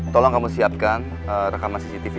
tolong kamu siapkan rekaman cctv